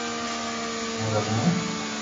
ھون رمو